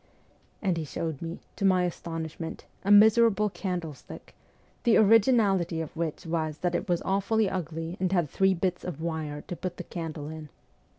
And he showed me, to my astonishment, a miserable candlestick, the originality of which was that it was awfully ugly and had three bits of wire to put the candle in.